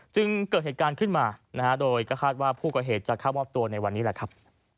เกิดเหตุการณ์ขึ้นมานะฮะโดยก็คาดว่าผู้ก่อเหตุจะเข้ามอบตัวในวันนี้แหละครับ